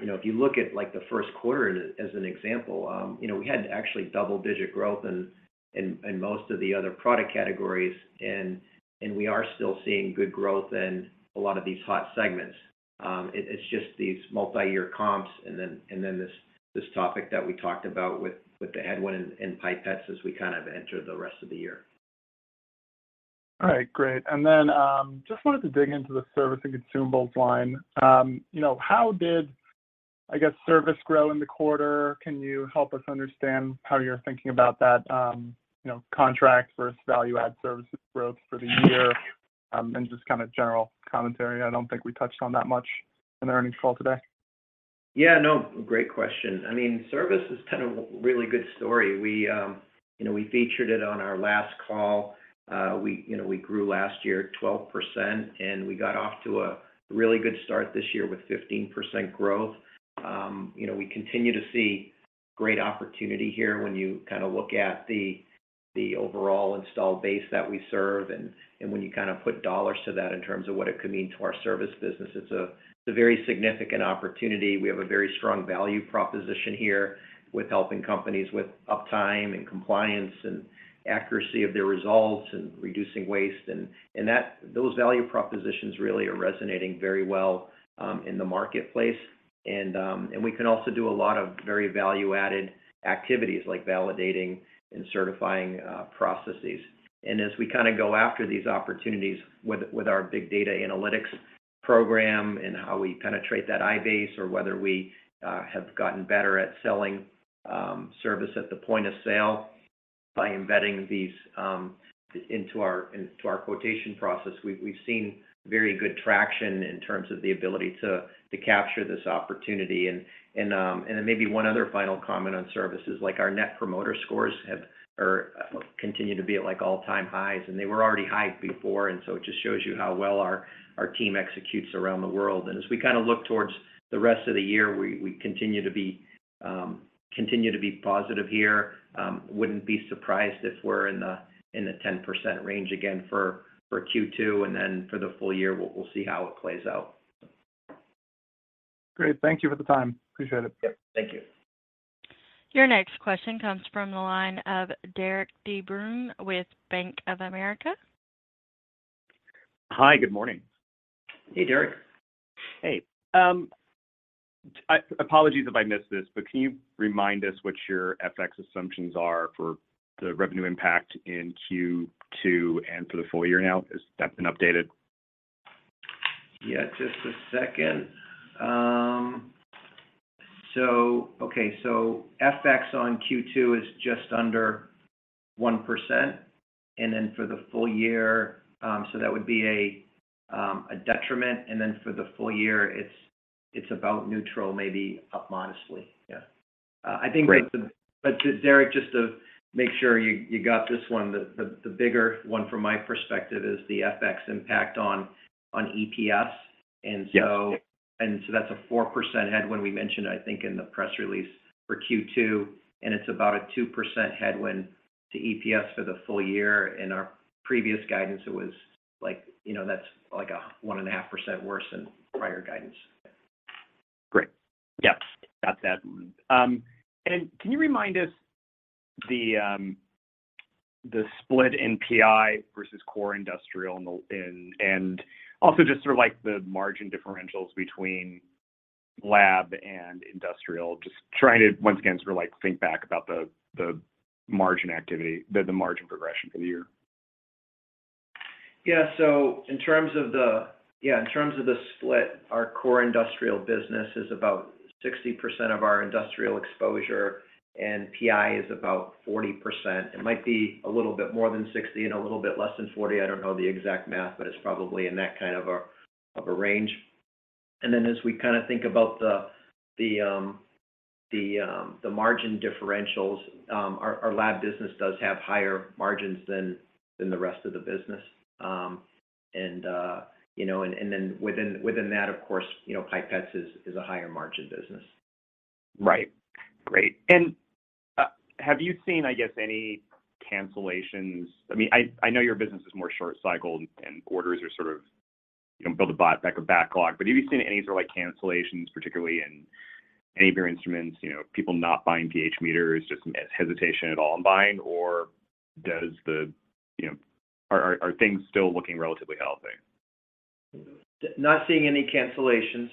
Speaker 4: You know, if you look at like the first quarter as an example, you know, we had actually double digit growth in most of the other product categories and we are still seeing good growth in a lot of these hot segments. It's just these multi-year comps and then this topic that we talked about with the headwind in pipettes as we kind of enter the rest of the year.
Speaker 10: All right. Great. Just wanted to dig into the service and consumables line. You know, how did, I guess, service grow in the quarter? Can you help us understand how you're thinking about that, you know, contract versus value add services growth for the year, and just kind of general commentary? I don't think we touched on that much in the earnings call today.
Speaker 4: No, great question. I mean, service is kind of a really good story. We, you know, we featured it on our last call. We, you know, we grew last year 12%, and we got off to a really good start this year with 15% growth. You know, we continue to see great opportunity here when you kind of look at the overall installed base that we serve and when you kind of put dollars to that in terms of what it could mean to our service business, it's a, it's a very significant opportunity. We have a very strong value proposition here with helping companies with uptime and compliance and accuracy of their results and reducing waste and those value propositions rally are resonating very well in the marketplace. We can also do a lot of very value-added activities like validating and certifying processes. As we kind of go after these opportunities with our big data analytics program and how we penetrate that iBase or whether we have gotten better at selling service at the point of sale by embedding these into our quotation process, we've seen very good traction in terms of the ability to capture this opportunity. Maybe one other final comment on services, like our Net Promoter Scores have or continue to be at like all-time highs, and they were already high before. It just shows you how well our team executes around the world. As we kind of look towards the rest of the year, we continue to be positive here. Wouldn't be surprised if we're in the 10% range again for Q2. Then for the full year, we'll see how it plays out.
Speaker 10: Great. Thank you for the time. Appreciate it.
Speaker 4: Yep. Thank you.
Speaker 1: Your next question comes from the line of Derik De Bruin with Bank of America.
Speaker 3: Hi. Good morning.
Speaker 4: Hey, Derik.
Speaker 11: Hey. Apologies if I missed this, can you remind us what your FX assumptions are for the revenue impact in Q2 and for the full year now? Has that been updated?
Speaker 4: Yeah, just a second. FX on Q2 is just under 1%. Then for the full year, that would be a detriment. Then for the full year, it's about neutral, maybe up modestly. Yeah. I think that.
Speaker 11: Great.
Speaker 4: To, Derik, just to make sure you got this one, the bigger one from my perspective is the FX impact on EPS.
Speaker 11: Yeah.
Speaker 4: That's a 4% headwind we mentioned, I think, in the press release for Q2, and it's about a 2% headwind to EPS for the full year. In our previous guidance, it was like, you know, that's like a 1.5% worse than prior guidance.
Speaker 11: Great. Yep. Got that. Can you remind us the split in PI versus core industrial. Also just sort of like the margin differentials between lab and industrial. Just trying to, once again, sort of like think back about the margin activity, the margin progression for the year.
Speaker 4: Yeah. In terms of the split, our core industrial business is about 60% of our industrial exposure, and PI is about 40%. It might be a little bit more than 60 and a little bit less than 40. I don't know the exact math, but it's probably in that kind of a range. Then as we kinda think about the margin differentials, our lab business does have higher margins than the rest of the business. You know, then within that, of course, you know, Pipettes is a higher margin business.
Speaker 11: Right. Great. Have you seen, I guess, any cancellations? I mean, I know your business is more short cycle and orders are sort of, you know, build a backlog. Have you seen any sort of like cancellations, particularly in any of your instruments, you know, people not buying pH meters, just hesitation at all in buying? Does the, you know... Are things still looking relatively healthy?
Speaker 4: Not seeing any cancellations.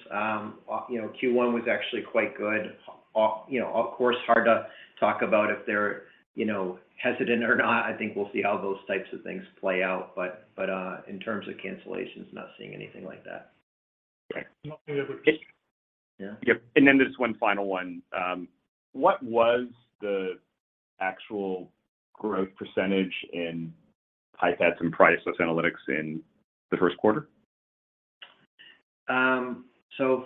Speaker 4: you know, Q1 was actually quite good. Of, you know, of course, hard to talk about if they're, you know, hesitant or not. I think we'll see how those types of things play out. In terms of cancellations, not seeing anything like that.
Speaker 11: Okay.
Speaker 3: Nothing that we're seeing.
Speaker 4: Yeah.
Speaker 11: Yep. There's one final one. What was the actual growth percentage in Pipettes and Process Analytics in the first quarter?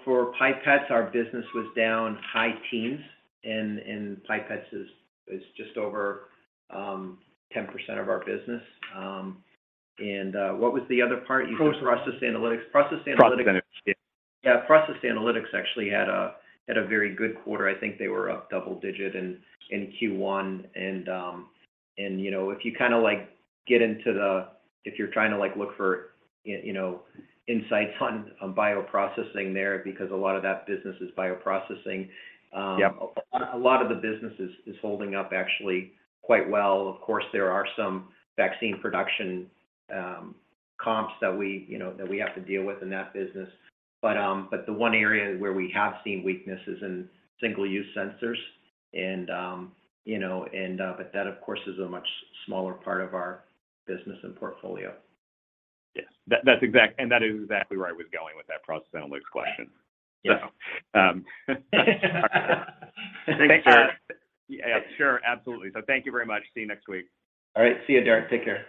Speaker 4: For Pipettes, our business was down high teens, and Pipettes is just over 10% of our business. What was the other part?
Speaker 11: Pro-
Speaker 4: You said Process Analytics. Process Analytics-
Speaker 11: Process Analytics.
Speaker 4: Yeah. Process Analytics actually had a very good quarter. I think they were up double digit in Q1. You know, if you're trying to, like, look for you know, insights on bioprocessing there because a lot of that business is bioprocessing.
Speaker 11: Yep
Speaker 4: A lot of the business is holding up actually quite well. Of course, there are some vaccine production comps that we, you know, that we have to deal with in that business. The one area where we have seen weakness is in single-use sensors and, you know, and that, of course, is a much smaller part of our business and portfolio.
Speaker 11: Yes. That is exactly where I was going with that Process Analytics question.
Speaker 4: Yeah.
Speaker 11: Thanks, Derik. Yeah, sure. Absolutely. Thank you very much. See you next week.
Speaker 4: All right. See you, Derik. Take care.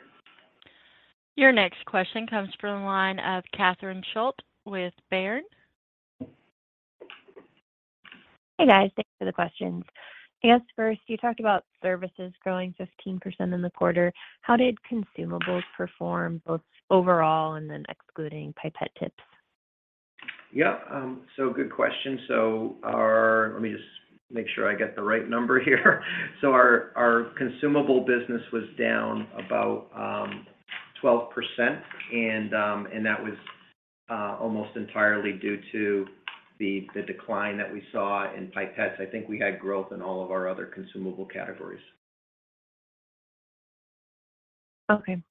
Speaker 1: Your next question comes from the line of Catherine Schulte with Baird.
Speaker 12: Hey, guys. Thanks for the questions. Can I ask first, you talked about services growing 15% in the quarter. How did consumables perform both overall and then excluding pipette tips?
Speaker 4: Yep. Good question. Our... Let me just make sure I get the right number here. Our consumable business was down about 12% and that was almost entirely due to the decline that we saw in pipettes. I think we had growth in all of our other consumable categories.
Speaker 12: Okay.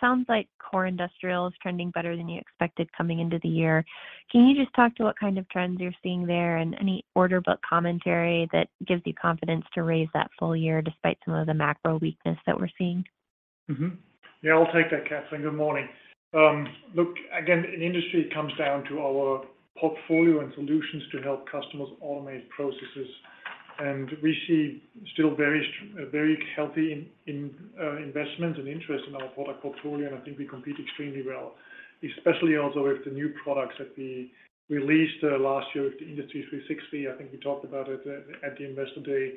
Speaker 12: sounds like core industrial is trending better than you expected coming into the year. Can you just talk to what kind of trends you're seeing there and any order book commentary that gives you confidence to raise that full year despite some of the macro weakness that we're seeing?
Speaker 3: Yeah, I'll take that, Catherine. Good morning. Look, again, in industry, it comes down to our portfolio and solutions to help customers automate processes. We see still very healthy investment and interest in our product portfolio, and I think we compete extremely well, especially also with the new products that we released last year with the Industry 360. I think we talked about it at the Investor Day.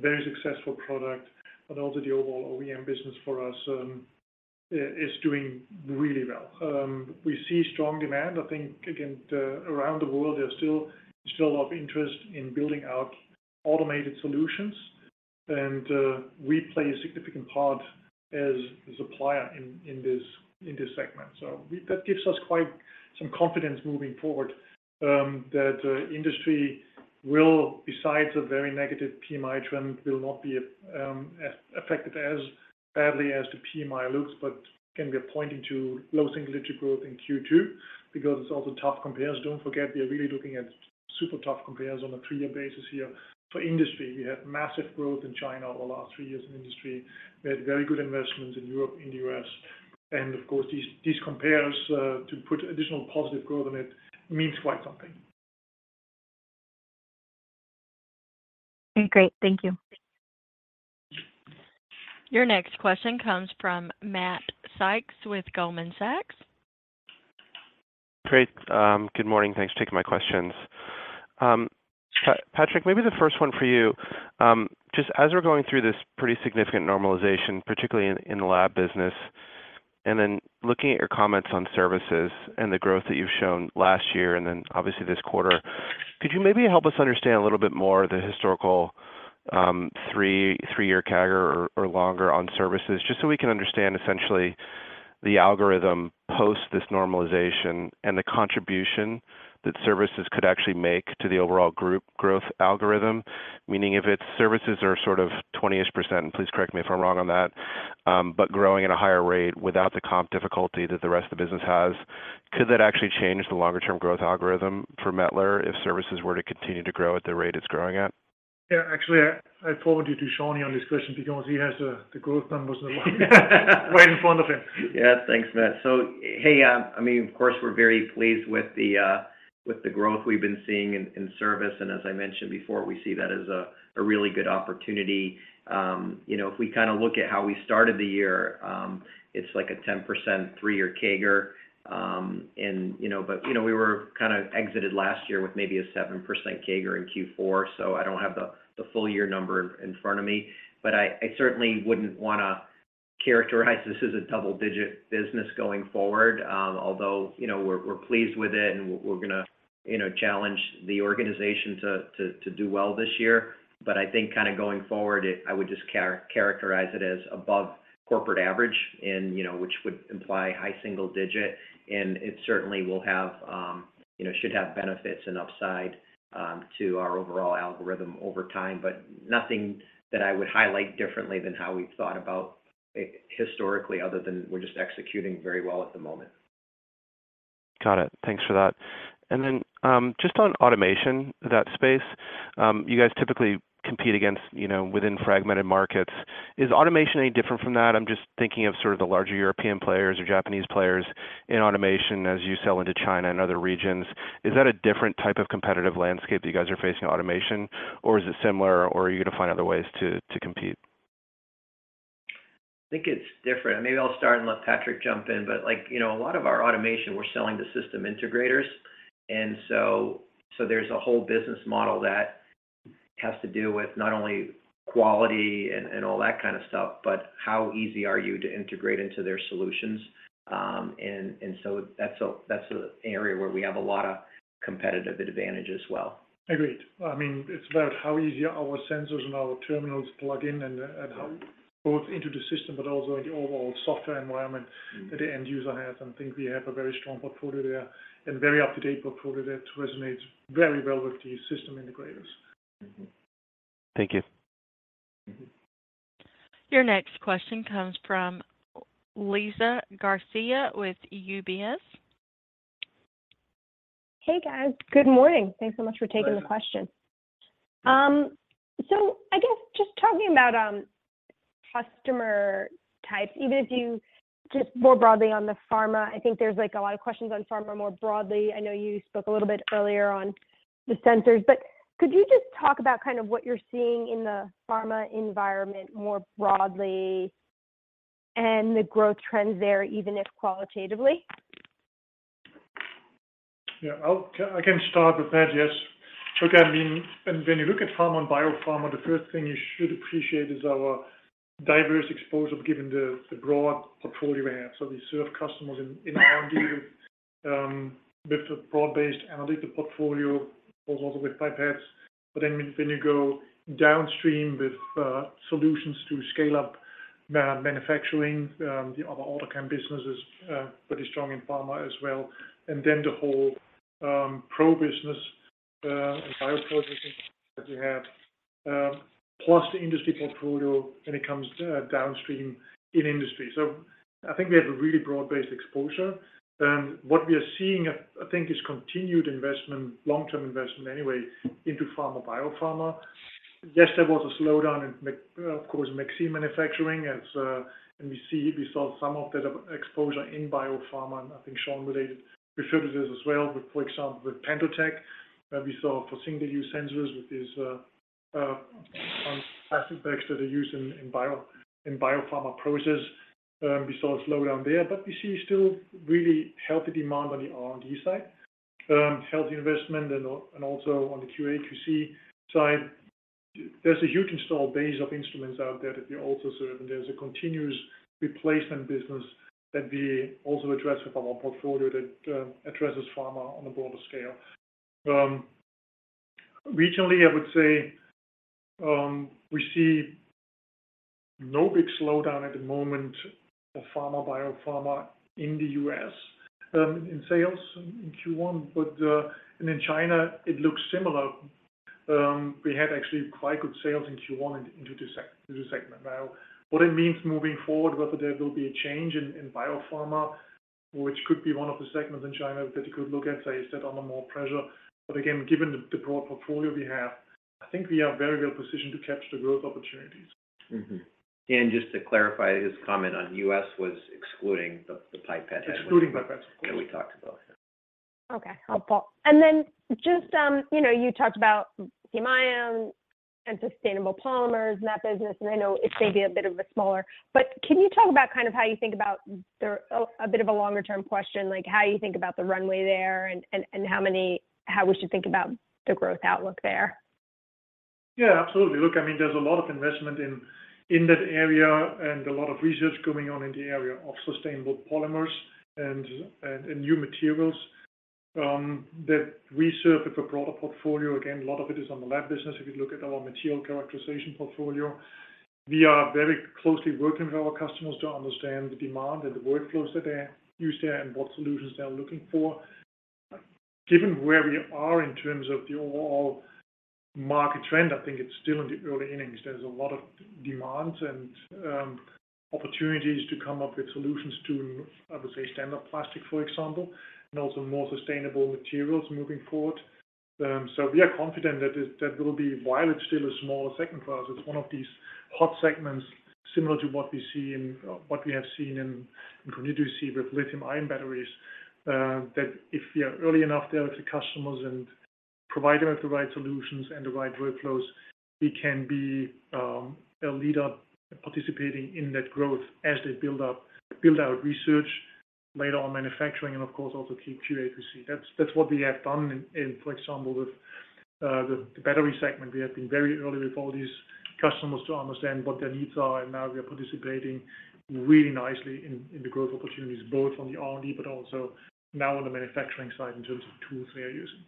Speaker 3: Very successful product, but also the overall OEM business for us is doing really well. We see strong demand. I think, again, around the world, there's still a lot of interest in building out automated solutions, and we play a significant part as a supplier in this, in this segment. That gives us quite some confidence moving forward that industry will, besides a very negative PMI trend, will not be as affected as badly as the PMI looks. Again, we are pointing to low single-digit growth in Q2 because it's also tough compares. Don't forget, we are really looking at super tough compares on a 3-year basis here. For industry, we had massive growth in China over the last three years in industry. We had very good investments in Europe and the US. Of course, these compares to put additional positive growth on it means quite something.
Speaker 12: Okay, great. Thank you.
Speaker 1: Your next question comes from Matt Sykes with Goldman Sachs.
Speaker 13: Great. Good morning. Thanks for taking my questions. Patrick, maybe the first one for you. Just as we're going through this pretty significant normalization, particularly in the lab business, and then looking at your comments on services and the growth that you've shown last year and then obviously this quarter, could you maybe help us understand a little bit more the historical, three-year CAGR or longer on services, just so we can understand essentially the algorithm post this normalization and the contribution that services could actually make to the overall group growth algorithm? Meaning if it's services are sort of 20-ish %, and please correct me if I'm wrong on that, but growing at a higher rate without the comp difficulty that the rest of the business has, could that actually change the longer term growth algorithm for Mettler if services were to continue to grow at the rate it's growing at?
Speaker 3: Yeah. Actually, I forward you to Shawn here on this question because he has the growth numbers right in front of him.
Speaker 4: Yeah. Thanks, Matt. I mean, of course, we're very pleased with the growth we've been seeing in service. As I mentioned before, we see that as a really good opportunity. You know, if we kinda look at how we started the year, it's like a 10% three-year CAGR. You know, but, you know, we were kind of exited last year with maybe a 7% CAGR in Q4, so I don't have the full year number in front of me. I certainly wouldn't wanna characterize this as a double-digit business going forward, although, you know, we're pleased with it and we're gonna, you know, challenge the organization to do well this year. I think kind of going forward, it... I would just characterize it as above corporate average, you know, which would imply high single digit, and it certainly will have, you know, should have benefits and upside to our overall algorithm over time. Nothing that I would highlight differently than how we've thought about it historically other than we're just executing very well at the moment.
Speaker 13: Got it. Thanks for that. Then, just on automation, that space, you guys typically compete against, you know, within fragmented markets. Is automation any different from that? I'm just thinking of sort of the larger European players or Japanese players in automation as you sell into China and other regions. Is that a different type of competitive landscape that you guys are facing in automation or is it similar, or are you gonna find other ways to compete?
Speaker 4: I think it's different. Maybe I'll start and let Patrick jump in. Like, you know, a lot of our automation, we're selling to system integrators. So there's a whole business model that has to do with not only quality and all that kind of stuff, but how easy are you to integrate into their solutions. So that's an area where we have a lot of competitive advantage as well.
Speaker 3: Agreed. I mean, it's about how easy our sensors and our terminals plug in and how both into the system but also in the overall software environment that the end user has. I think we have a very strong portfolio there and very up-to-date portfolio that resonates very well with the system integrators.
Speaker 13: Mm-hmm. Thank you.
Speaker 3: Mm-hmm.
Speaker 1: Your next question comes from Liza Garcia with UBS.
Speaker 14: Hey, guys. Good morning. Thanks so much for taking the question. I guess just talking about customer types, even if you just more broadly on the pharma, I think there's, like, a lot of questions on pharma more broadly. I know you spoke a little bit earlier on the sensors. Could you just talk about kind of what you're seeing in the pharma environment more broadly and the growth trends there, even if qualitatively?
Speaker 3: Yeah. I can start with that. Yes. Look, I mean, when you look at pharma and biopharma, the first thing you should appreciate is our diverse exposure given the broad portfolio we have. We serve customers in R&D with the broad-based analytical portfolio, also with pipettes. When you go downstream with solutions to scale up manufacturing, the other AutoChem business is pretty strong in pharma as well. The whole pro business and bioprocessing that we have, plus the industry portfolio when it comes to downstream in industry. I think we have a really broad-based exposure. What we are seeing, I think, is continued investment, long-term investment anyway, into pharma, biopharma. Yes, there was a slowdown in of course, mRNA manufacturing as... We saw some of that exposure in biopharma, and I think Shawn referred to this as well with, for example, with PendoTECH, where we saw for single-use sensors with these plastic bags that are used in biopharma process. We saw a slowdown there. We see still really healthy demand on the R&D side, healthy investment. Also on the QA/QC side, there's a huge installed base of instruments out there that we also serve, and there's a continuous replacement business that we also address with our portfolio that addresses pharma on a broader scale. Regionally, I would say, we see no big slowdown at the moment for pharma, biopharma in the U.S., in sales in Q1. In China, it looks similar. We had actually quite good sales in Q1 into the segment. What it means moving forward, whether there will be a change in biopharma, which could be one of the segments in China that you could look at, say is under more pressure. Again, given the broad portfolio we have, I think we are very well positioned to capture the growth opportunities.
Speaker 4: Mm-hmm. just to clarify, his comment on U.S. was excluding the.
Speaker 3: Excluding pipettes, of course.
Speaker 4: that we talked about.
Speaker 14: Okay, helpful. Then just, you know, you talked about lithium ion and sustainable polymers in that business, and I know it may be a bit of a smaller. Can you talk about kind of how you think about the a bit of a longer-term question, like how you think about the runway there and how we should think about the growth outlook there?
Speaker 3: Yeah, absolutely. Look, I mean, there's a lot of investment in that area and a lot of research going on in the area of sustainable polymers and new materials, that we serve with a broader portfolio. Again, a lot of it is on the lab business. If you look at our material characterization portfolio, we are very closely working with our customers to understand the demand and the workflows that they use there and what solutions they are looking for. Given where we are in terms of the overall market trend, I think it's still in the early innings. There's a lot of demand and opportunities to come up with solutions to, I would say, standard plastic, for example, and also more sustainable materials moving forward. We are confident that it... That will be, while it's still a smaller segment for us, it's one of these hot segments similar to what we have seen and continue to see with lithium-ion batteries. That if we are early enough there to customers and provide them with the right solutions and the right workflows, we can be a leader participating in that growth as they build up, build out research, later on manufacturing and of course also keep QA/QC. That's what we have done in, for example, with the battery segment. We have been very early with all these customers to understand what their needs are. Now we are participating really nicely in the growth opportunities, both on the R&D but also now on the manufacturing side in terms of tools they are using.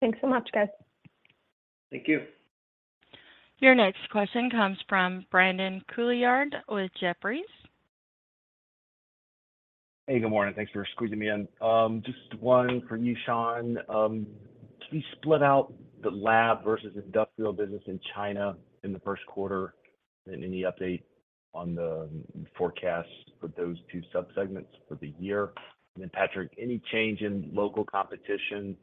Speaker 14: Thanks so much, guys.
Speaker 4: Thank you.
Speaker 1: Your next question comes from Brandon Couillard with Jefferies.
Speaker 15: Hey, good morning. Thanks for squeezing me in. Just one for you, Shawn. Can you split out the lab versus industrial business in China in the first quarter? Any update on the forecasts for those two subsegments for the year? Then Patrick, any change in local competition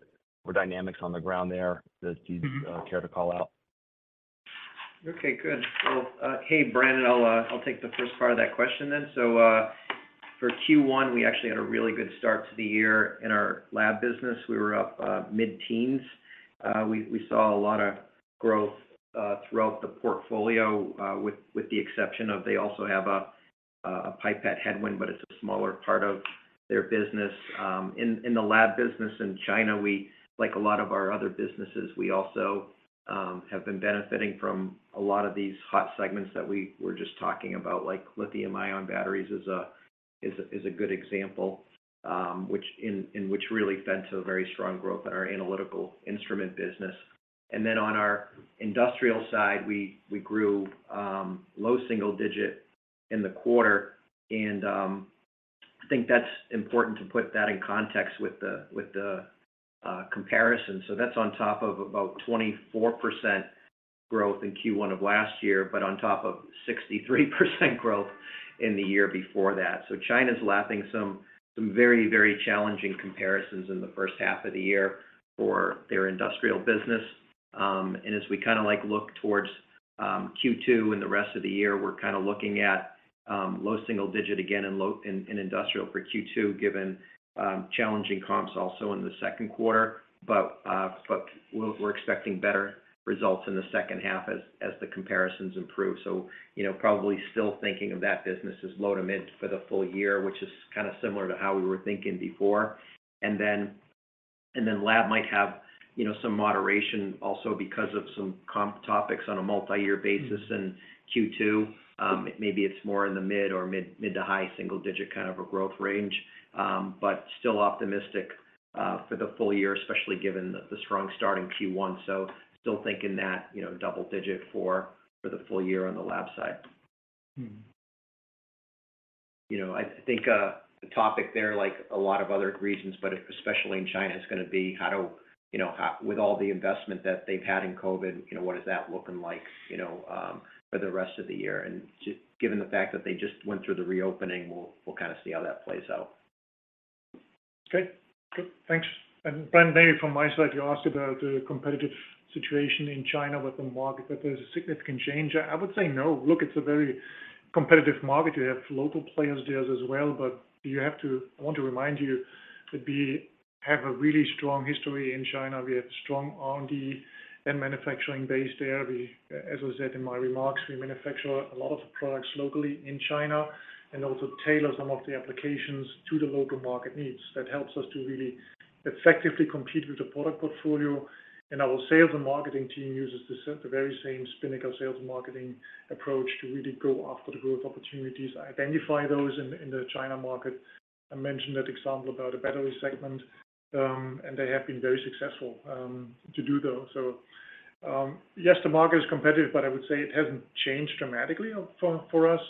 Speaker 15: or dynamics on the ground there?
Speaker 3: Mm-hmm.
Speaker 15: Care to call out?
Speaker 4: Okay, good. Hey, Brandon, I'll take the first part of that question then. For Q1, we actually had a really good start to the year in our lab business. We were up mid-teens. We saw a lot of growth throughout the portfolio with the exception of they also have a pipette headwind, but it's a smaller part of their business. In the lab business in China, we, like a lot of our other businesses, we also have been benefiting from a lot of these hot segments that we were just talking about, like lithium ion batteries is a good example, in which really been to a very strong growth in our analytical instrument business. Then on our industrial side, we grew low single digit in the quarter. I think that's important to put that in context with the comparison. That's on top of about 24% growth in Q1 of last year, but on top of 63% growth in the year before that. China's lapping some very, very challenging comparisons in the first half of the year for their industrial business. As we kinda like look towards Q2 and the rest of the year, we're kinda looking at low single digit again in industrial for Q2, given challenging comps also in the second quarter. We're expecting better results in the second half as the comparisons improve. You know, probably still thinking of that business as low to mid for the full year, which is kinda similar to how we were thinking before. Then, lab might have, you know, some moderation also because of some comp topics on a multi-year basis in Q2. Maybe it's more in the mid or mid to high single digit kind of a growth range. Still optimistic for the full year, especially given the strong start in Q1. Still thinking that, you know, double digit for the full year on the lab side.
Speaker 15: Mm-hmm.
Speaker 4: You know, I think, the topic there, like a lot of other regions, but especially in China, is gonna be how... You know, how With all the investment that they've had in COVID, you know, what is that looking like, you know, for the rest of the year? Given the fact that they just went through the reopening, we'll kinda see how that plays out.
Speaker 3: Okay. Good. Thanks. Brandon, maybe from my side, you asked about the competitive situation in China with the market, that there's a significant change. I would say no. Look, it's a very competitive market. We have local players there as well, but I want to remind you that we have a really strong history in China. We have strong R&D and manufacturing base there. We, as I said in my remarks, we manufacture a lot of products locally in China and also tailor some of the applications to the local market needs. That helps us to really effectively compete with the product portfolio. Our sales and marketing team uses the very same Spinnaker sales and marketing approach to really go after the growth opportunities, identify those in the China market. I mentioned that example about a battery segment, and they have been very successful to do those. Yes, the market is competitive, but I would say it hasn't changed dramatically for us.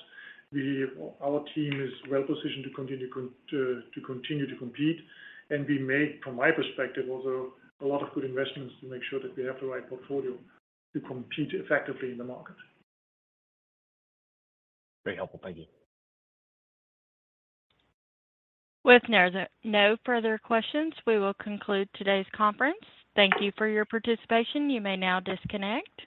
Speaker 3: Our team is well positioned to continue to compete. We made, from my perspective, also a lot of good investments to make sure that we have the right portfolio to compete effectively in the market.
Speaker 15: Very helpful. Thank you.
Speaker 1: With no further questions, we will conclude today's conference. Thank you for your participation. You may now disconnect.